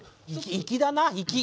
粋だな粋！